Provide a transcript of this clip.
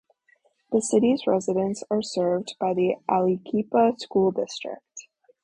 The city's residents are served by the Aliquippa School District.